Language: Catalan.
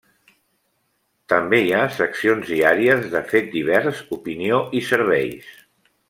També hi ha seccions diàries de Fet Divers, Opinió i Serveis.